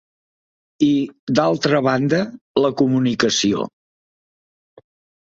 I, d'altra banda, la comunicació.